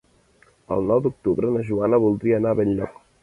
El nou d'octubre na Joana voldria anar a Benlloc.